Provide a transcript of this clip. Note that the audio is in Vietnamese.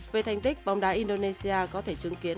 về thành tích bóng đá indonesia có thể chứng kiến